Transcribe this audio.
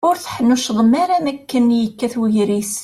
Ur teḥnuccḍem ara makken yekkat ugris.